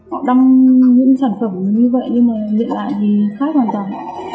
họ đăng những sản phẩm như vậy nhưng mà nhận lại thì khác hoàn toàn